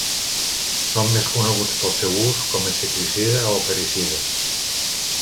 Són més coneguts pel seu ús com insecticida o acaricides.